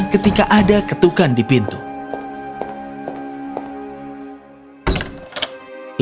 ketika ada ketukan di pintu dia sedang duduk memintal